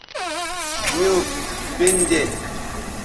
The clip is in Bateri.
میوں پِن دے